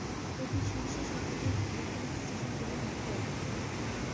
এটি শীর্ষ শতাধিক বুকিং স্টেশনগুলির মধ্যে একটি।